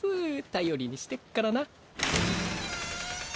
頼りにしてっからな。